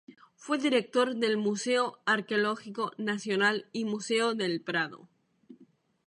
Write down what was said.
Fue director del Museo Arqueológico Nacional y Museo del Prado.